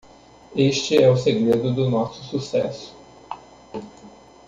Este é o segredo do nosso sucesso